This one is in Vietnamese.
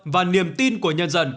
và niềm tin của nhân dân